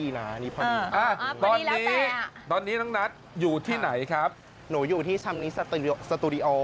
ฮัลโหลชมพูอะไร